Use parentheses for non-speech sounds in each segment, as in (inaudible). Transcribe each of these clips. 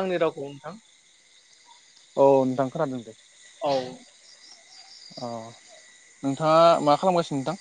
आंनि रावखौ नोंथां औ नोंथां खोनादों दे औ औ नोंथाङा मा खालामगासिनो नोंथां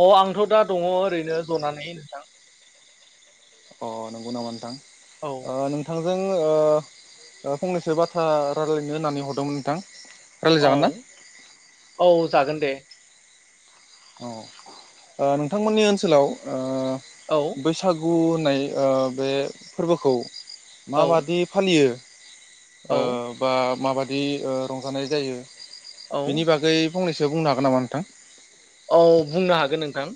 अ आंथ' दा दङ ओरैनो जनानै नोंथां अ नंगौ नामा नोंथां औ ओ नोंथां जों ओ फंनैसो बाथ्रा रायलायनो होननानै हरदोंमोन नोंथां रायलाय औ जागोन ना औ जागोन दे औ ओ नोंथांमोननि ओनसोलाव ओ। औ बैसागु। गु होननाय बे फोरबोखौ। औ माबादि फालियो। औ ओ बा माबा। बे ओ रंजानाय जायो। औ बिनि बागै। फंनैसो बुंनो हागोन नामा नोंथां। औ बुंनो हागोन नोंथां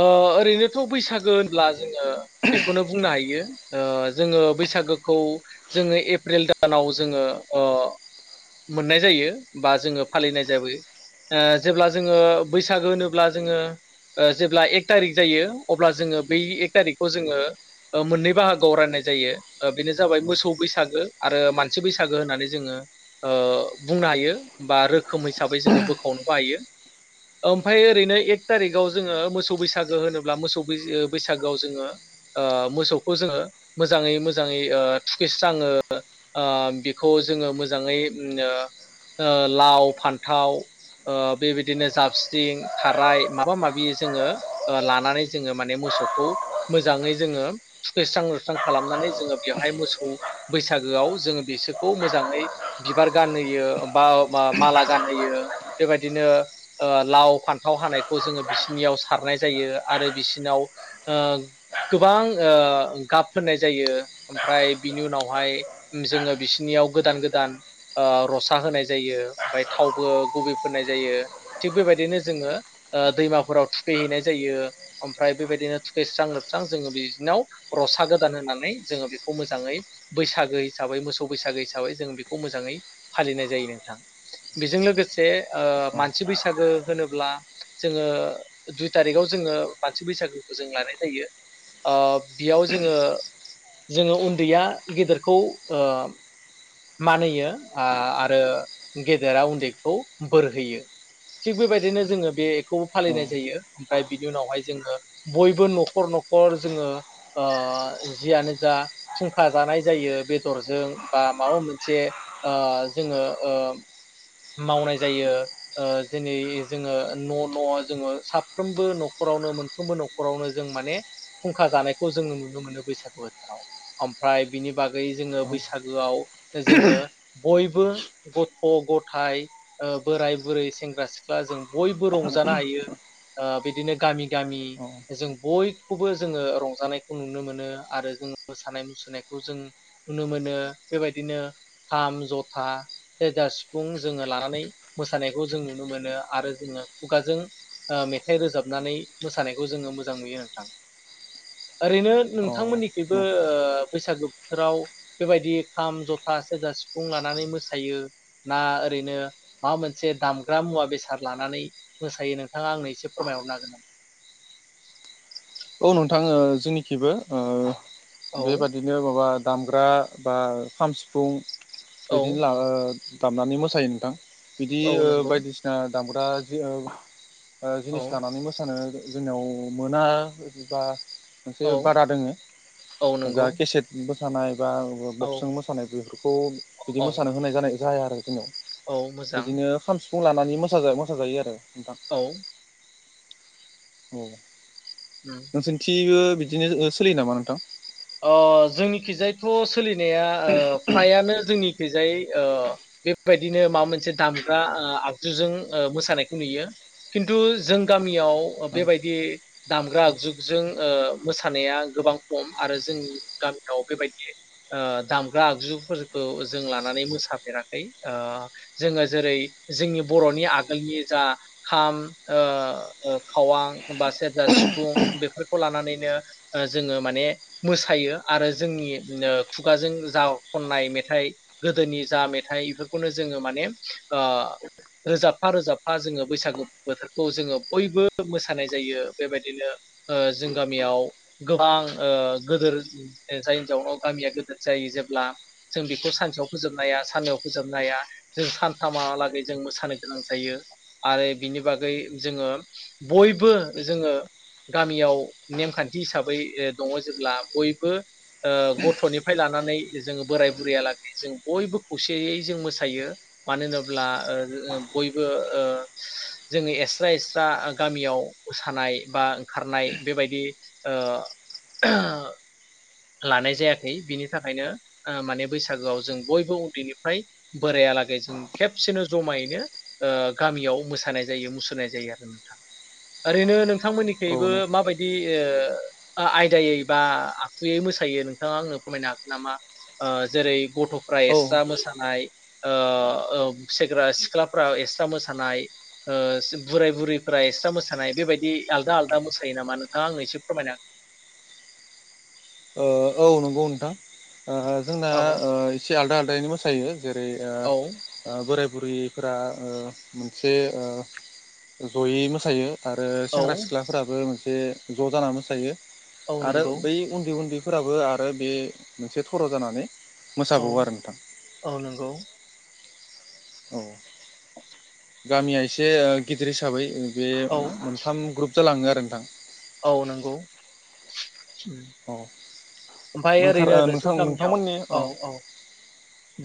ओ ओरैनोथ' बैसागो होनब्ला जोङो बेखौनो बुंनो हायो ओ जोङो बैसागोखौ जोङो एप्रिल दानाव जोङो ओ मोननाय जायो बा जोङो फालिनाय जाबाय जेब्ला। जोङो बैसागो होनोब्ला ओ जोङो जेब्ला एक थारिख जायो अब्ला जोङो बै एक थारिकखौ जोङो मोननै बाहागोआव रायनाय जायो बेनो जाबाय मोसौ बैसागो आरो मानसि बैसागो होननानै जोङो ओ बुंनो हायो बा रोखोम हिसाबै जोङो बोखावनोबो हायो। ओमफफ्राय ओरैनो एक थारिखाव जोङो मोसौ बैसागो होनोब्ला मोसौ बैसागोआव जोङो ओ मोसौखौ जोङो मोजाङै मोजाङै थुखेस्राङो ओ बेखौ जोङो मोजाङै ओ लाव फान्थाव ओ। बेबायदिनो जाबस्रिं थाराय माबा माबि जोङो ओ लानानै जोङो माने मोसौखौ मोजाङै जोङो सुखैस्रां लुस्रां खालामनानै जोङो बेवहाय मोसौ बैसागोआव जोङो बिसोरखौ मोजाङै बिबार गानहोयो बा माला गानहोयो बेबायदि। बिदिनो ओ लाव फान्थाव हानायखौ जोङो बिसिनियाव सारनाय जायो आरो बिसिनाव ओ गोबां ओ गाब फोननाय जायो ओमफ्राय बिनि उनावहाय जोङो बिसिनियाव गोदान गोदान रसा होनाय जायो ओमफ्राय थावबो गुबबे। फोननाय जायो थिग बेबायदिनो जोङो दैमाफोराव थुखैहैनाय जायो ओमफ्राय बेबायदिनो थुखैस्रां लोबस्रां जोङो बिदिनाव रसा गोदान होनानै जोङो बेखौ मोजाङै बैसागो हिसाबै मोसौ बैसागो हिसाबै जोङो बेखौ मोजाङै फालिनाय जायो नोंथां बेजों लोगोसे। ओ औ मानसि बैसागो होनोब्ला जोङो दुइ तारिखाव जोङो मानसि बैसागोखौ जों लानाय जायो ओ। बेयाव जोङो। जोङो उन्दैया गेदेरखौ ओ। मानहोयो आ आरो गेदेरा उन्दैखौ बोरहैयो थिग बेबायदिनो जोङो बेखौबो औ फालिनाय जायो ओमफ्राय बिनि उनावहाय जोङो बयबो न'खर न'खर जोङो ओ जियानो जा फुंखा जानाय जायो बेदरजों बा। माबा मोनसे ओ जोङो ओ मावनाय जायो ओ जेरै जोङो न' न' जोङो साफ्रोमबो न'खरावनो मोनफ्रोमबो न'खरावनो जों माने फुंखा जानायखौ जोङो नुनो मोनो बैसागो बोथोराव ओमफ्राय बिनि बागै जोङो औ बैसागोआव। जोङो। बयबो गथ' गथायाइ ओ बोराय बुरै सेंग्रा सिख्ला जों बयबो रंजानो ओ हायो बिदिनो गामि गामि औ जों बयखौबो जोङो रंजानायखौ नुनो मोनो आरो जों मोसानाय मुसुरनायखौ जों नुनो मोनो। बेबायदिनो खाम जथा जेरजा सिफुं जोङो लानानै मोसानायखौ जों नुनो मोनो आरो जोङो खुगाजों ओ मेथाइ रोजाबनानै मोसानायखौ जोङो मोजां नुयो नोंथां। ओरैनो औ नोंथांमोननिखिबो ओ । बैसागो बोथोराव बेबायदि। खाम ज'था सेरजा सिफुं लानानै मोसायो ना ओरैनो माबा मोनसे दामग्रा मुवा बेसाद लानानै मोसायो नोंथाङा आंनो एसे फोरमायहरनो हागोन नामा। औ नोंथाङो जोंनिखिबो ओ औ बेबादिनो माबा दामग्रा बा खाम सिफुं औ बिदिनो ला ओ दामनानै मोसायो नोंथां बिदि औ ओ नंगौ बायदिसिना दामग्रा जि ओ ओ औ जिनिस गानानै मोसानो जोंनियाव मोना बिबा मोनसे औ बादा औ दोङो नंगौ जा केसेट सानाय बा औ बक्सजों मोसानाय बेफोरखौ बिदि औ मोसानो होनाय जानाय जाया आरो जुनाव औ मोजां बिदिनो खानमस फुं लानानै मोसा मोसाजायो आरो नोंथां औ औ उम नोंसोरनिथिबो बिदिनो ओ सोलियो नामा नोंथां? अ जोंनिखिजायथ' स सोलिनाया ओ फ्रायानो जोंनिखैजाय ओ बेबायदिनो माबा मोनसे दामग्रा ओ आगजुजों ओ मोसानायखौ नुयो खिन्थु जों गामियाव बेबायदि दामग्रा आगजुजों ओ मोसानाया गोबां खम। आरो जों गामियाव बेबायदि ओ दामग्रा आगजुफोरखौ जों लानानै मोसाफेराखै ओ जोङो जेरै जोंनि बर'नि आगोलनि जा खाम ओ खावां बा सेरजा सिफुं बेफोरखौ लानानैनो जोङो माने मोसायो आरो जोंनि नो खुगाजों जा खननाय मेथाइ गोदोनि जा मेथाइ बेफोरखौनो जोङो माने ओ रोजाबफा रोजाबफा जोङो बैसागु बोथोरखौ जोङो बयबो मोसानाय जायो बेबायदिनो ओ जों गामियाव गोबां ओ गोदोर जायनि जाउनाव गामिया गदोर जायो जेब्ला जों बेखौ सानसेयाव फोजोबनो हाया साननैयाव फोजोबनो हाया जों सानथामहालागै जों मोसानो गोनां जायो आरो बिनि बागै जोङो बयबो जोङो गामियाव नेमखान्थि हिसाबै दङ जे ब्ला बयबो ओ गथ'निफ्राय लानानै जोङो बोराय बुरैयालागै जों बयबो खौसेयै जों मोसायो मानो होनोब्ला ओ बयबो ओ जोङो एक्सट्रा एक्सट्रा गामियाव मोसानाय बा ओंखारनाय बेबायदि ओ ओ लानाय जायाखै बिनि थाखायनो माने बैसागोआव जों बयबो उन्दैनिफ्राय बोरायालागै जों खेबसेनो जमायैनो ओ गामियाव मोसानाय जायो मुसुरनाय जायो आरो नोंथां ओरैनो नों औ थांमोननिखैबो नंगौ माबायदि ओ अ आय यै बा आखुयै मोसायो नोंथाङा आंनो फोरमायनो हागोन नामा ओ जेरै गथ'फ्रा औ एक्सट्रा मोसानाय ओ ओं सेंग्रा सिख्लाफ्रा एक्सट्रा मोसानाय ओ बोराय बुरैफोरा एक्सट्रा मोसानाय बेबायदि आलदा आलदा मोसायो नामा नोंथाङा आंनो एसे फोरमायना ओ औ नंगौ नोंथां ओ जोंना औ ओ एसे आलदा आल यैनो मोसायो जेरै ओ औ ओ बोराय बुरैफोरा ओ मोनसे ओ जयै मोसायो। आरो औ सेंग्रा सिख्लाफोराबो मोनसे ज' जाना मोसायो। औ आरो नंगौ बै उन्दैफोराबो आरो बे मोनसे थर' जानानै औ मोसाबावो आरो नोंथां औ नंगौ । औ (inaudible) गामिया एसे ओ गिदिर हिसाबै ओ बे औ मोनथाम ग्रुप जालाङो आरो नोंथां। औ नोंगौ। औ नोंथार नोंथां नोंथांमोननि औ अ औ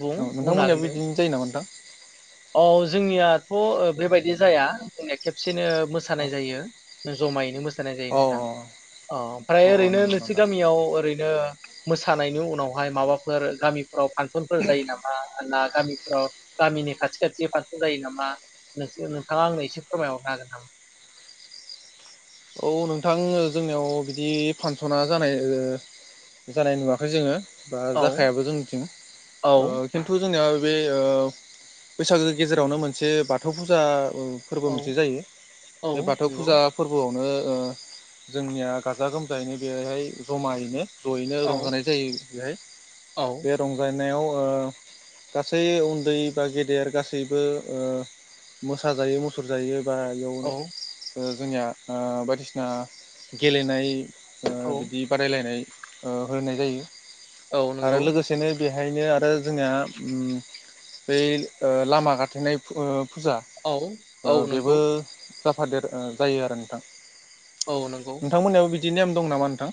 बुं बुंनो हागोन नोंथांमोननियाबो दे बिदिनो जायो नामा नोंथां? औ जोंनियाथ बेबायदि जाया जोंनिया खेबसेनो अ मोसानाय जायो जमायैनो मोस सानाय जायो अ नोंथां। अ अ ओमफ्राय अ ओरैनो नंगौ नोंसोर नोंथां गामियाव ओरै नो मोसानायनि उनावहाय माबाफोर गामिफोराव फांसनफोर जायो नामा ना गामिफ्राव गामिनि खाथि खाथि जायो नामा नोंथाङा आंनो एसे फोरमायहरनो हागोन नामा? औ नोंथां जोंनियाव बिदि फांसना जानाय जानाय नुवाखै जोङो बा जाखायाबो जोंनिथिं। औ औ खिन्थु जोंनिया बे ओ बैसागोनि गेजेरावनो मोनसे बाथौ फुजा ओ फोर्बो मोनसे जायो बे औ औ बाथौ नंगौ फुजा फोर्बोआव मो ओ जोंनिया गाजा गोमजायैनो बेहाय जमायैनो जयैनो औ रंजानाय जायो। बेहाय बे रंजानाय नायाव ओ गासै उन्दै बा गेदेर गासैबो ओ मोसा जायो मुसुर जायो बा एउन औ ओ जोंनिया आ बा यदिसिना गेलेनाय ओ औ बिदि बादायलायनाय ओ होनाय जायो। औ आरो नंगौ लोगोसेनो बेहायनो आरो जोंनिया उम बै ओ लामा गाथेनाय फो ओ फुजा औ ओ औ बेबो नंगौ जाफादेर ओ जायो आरो नोंथां। औ नंगौ। दि नेम दं नामा नोंथां?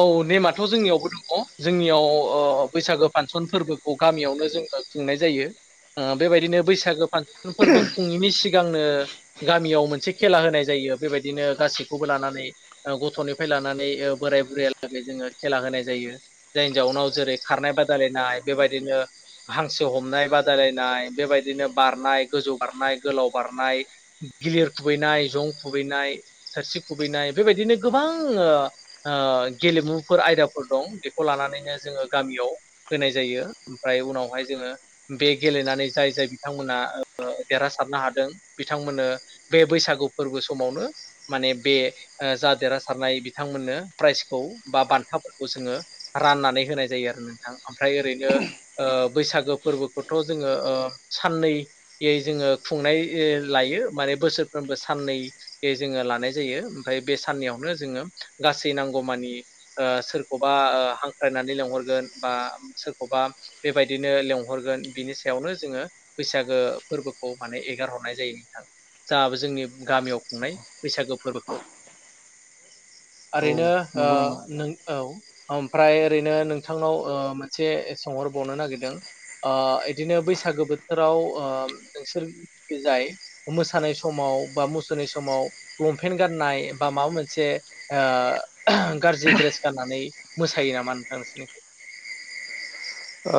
औ नेमाथ जोंनियावबो दङ। जोंनियाव ओ बैसागो फासन फोरबोखौ गामियावनो जोङो खुंनाय जायो। ओ बेबायदिनो बैसागो फासन फोरबो खुङैनि सिगांनो गामियाव मोनसे खेला होनाय जायो। बेबायदिनो गासैखौबो लानानै ओ गथ' निफ्राय लानानै ओ बोराय बुरैयालागै जोङो खेला होनाय जायो। देन जाउनाव जेरै खारनाय बादायलायनाय बेबायदिनो हांसो हमनाय बादायलायनाय बेबायदिनो बारनाय गोजौ बारनाय गोलाव बारनाय गिलिर खुबैनाय जं खुबैनाय थोरसि खुबैनाय बेबायदिनो गोबां ओ ओ गेलेमुफोर आयदाफोर दं। बेखौ लानानैनो जोङो गामियाव होनाय जायो। ओमफ्राय उनावहाय जोङो बे गेलेनानै जाय जाय बिथांमोना ओ देरहासारनो हादों बिथांमोननो बे बैसागु फोरबो समावनो माने बे ओ जा देरहासारनाय बिथांमोननो प्राइजखौ बा बान्थाफोरखौ जोङो राननानै होनाय जायो आरो नोंथां। ओमफ्राय ओरैनो ओ बैसागो फोरबोखौथ' जोङो ओ साननैै यै जोङो खुंनाय ए लायो। माने बोसोरफ्रोमबो साननैयै जोङो लानाय जायो ओमफ्राय बे साननैयावनो जोङो गासै दै नांगौमानि ओ सोरखौबा ओ हांख्रायनानै लेंहरगोन बा सोरखौबा बेबायदिनो लेंहरगोन बिनि सायावनो जोङो बैसागो फोरबोखौ माने एगार हरनाय जायो नोंथां। जा जोंनि गामियाव खुंनाय बैसागो फोरबोखौ औ ओरैनो ओ नंगौ नामा नोंथां नों औ ओमफ्राय ओरैनो नोंथांनाव ओ मोनसे सोंहरबावनो नागिरदों? ओ बिदिनो बैसागो बोथोराव ओ नोंसोरखै जाय मोसानाय समाव बा मुसुरनाय समाव लंपेन्ट गाननाय बा माबा मोनसे ओ गाज्रि ड्रेस गाननानै मोसायो नामा नोंथां नोंसोरनिथिं? ओ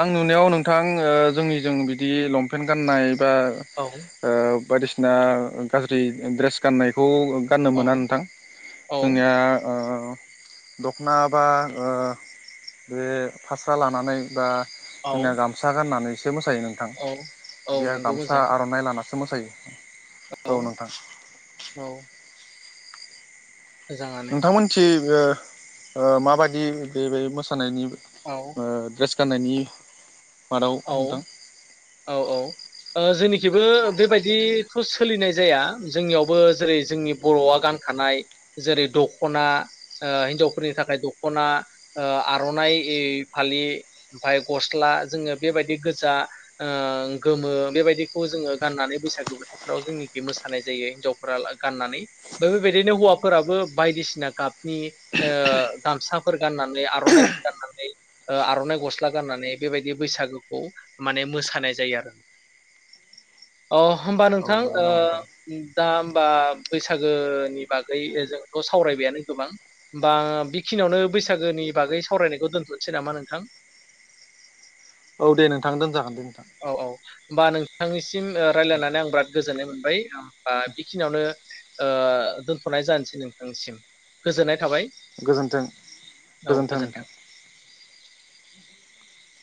आं नुनायाव नोंथां ओ जोंनिजों बिदि लंपेन्ट गाननाय बा औ ओ बायदिस ना गाज्रि ड्रेस गाननायखौ गाननो औ मोना नोंथां औ जोंनिया ओ अ' दख'ना बा ओ बे फास्रा लानानै बा औ जोंना गामसा गाननानै सो मोसायो नोंथां। औ औ बिआर नंगौ गामसा मोजां आर'नाइ लाना स थो मोसायो। औ नोंथां। औ मोजाङानो नोंथांमोनथि (unintelligible) ओ मा बायदि बे बे मोसानायनि औ ओ द्रेस गाननायनि मादाव औ नोंथां औ औ ओ जोंनिखिबो बेबायदिथ' सोलिनाय जाया। जोंनियावबो जेरै जोंनि बर'आ गानखानाय जेरै दख'ना ओ हिनजावफोरनि थाखाय दख'ना ओ आर'नाइ ए फालि ओमफाय गस्ला जोङो बेबायदि गोजा ओं गोमो बेबायदिखौ जोङो गाननानै बैसागु बोथोरफ्राव जोंनिखि मोसानाय जायो। हिन्जावफोरा ला गाननानै बो बेबायदिनो हौवाफोराबो बायदिसिना गाबनि ओ गामसाफोर गाननानै आर'नाइफोर गाननानै ओ आर'नाइ गस्ला गाननानै बेबायदि बैसागोखौ माने मोसानाय जायो आरो। अ' होमबा औ नोंथां नंगौ ओ नामा नोंथां दा होमबा बैसागोनि बागै ओ जोंथ' सावरायबायानो गोबां होमबा बेखिनियावनो बैसागोनि बागै सावरायनायखौ दोनथ'नोसै नामा नोंथां? औ दे नोंथां दोनजागोन दे नोंथां। बा नोंथांनिसिम ओ रायलायनानै आं बिराद गोजोननाय मोनबाय। होमबा बेखिनियावनो ओ दोनथ'नाय जानोसै नोंथांनिसिम गोजोननाय थाबाय । गोजोनथों गोजोन्थों नोंथां। (inaudible)